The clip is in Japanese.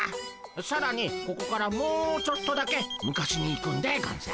さらにここからもうちょっとだけ昔に行くんでゴンス。